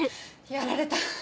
やられた。